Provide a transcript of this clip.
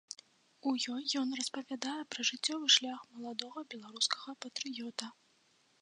У ёй ён распавядае пра жыццёвы шлях маладога беларускага патрыёта.